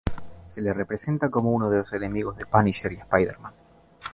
Se le representa como uno de los enemigos de Punisher y Spider-Man.